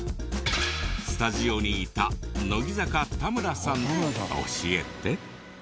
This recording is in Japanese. スタジオにいた乃木坂田村さん教えて。